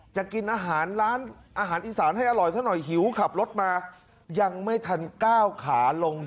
จะกินอาหารอีสานให้อร่อยเท่านั้นหน่อย